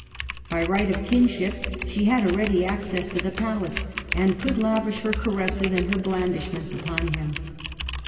By right of kinship she had a ready access to the palace, and could lavish her caresses and her blandish ments upon him.